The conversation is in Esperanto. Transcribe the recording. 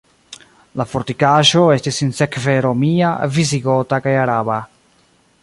La fortikaĵo estis sinsekve romia, visigota kaj araba.